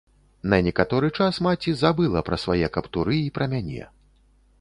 На некаторы час маці забыла пра свае каптуры і пра мяне.